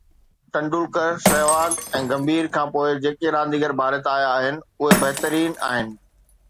ٽنڊولڪر، سهواگ ۽ گمڀير کان پوءِ جيڪي رانديگر ڀارت آيا آهن اهي بهترين آهن